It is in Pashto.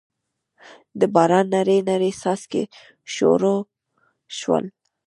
دباران نري نري څاڅکي شورو شول